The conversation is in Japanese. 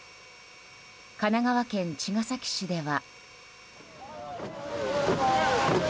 神奈川県茅ヶ崎市では。